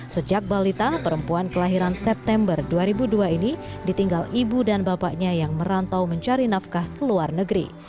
sejak balita perempuan kelahiran september dua ribu dua ini ditinggal ibu dan bapaknya yang merantau mencari nafkah ke luar negeri